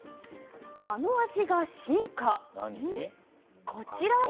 あの味が進化！